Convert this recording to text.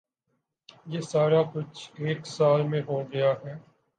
یہ سارا کچھ ایک سال میں ہو گیا ہے۔